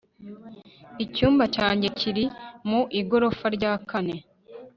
Icyumba cyanjye kiri mu igorofa rya kane